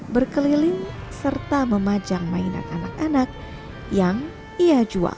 berkeliling serta memajang mainan anak anak yang ia jual